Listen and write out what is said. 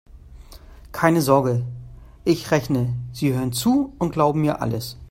Keine Sorge: Ich rechne, Sie hören zu und glauben mir alles.